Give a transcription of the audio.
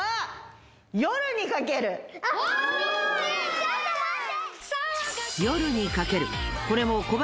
ちょっと待って！